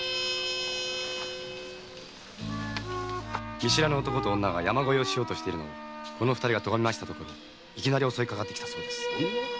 見知らぬ男女が山越えをしようとしているのをこの二人がとがめましたらいきなり襲いかかったそうです。